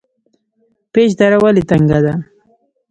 پیج دره ولې تنګه ده؟